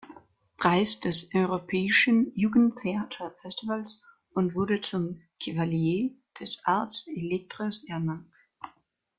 Preis des Europäischen Jugendtheater-Festivals und wurde zum Chevalier des Arts et Lettres ernannt.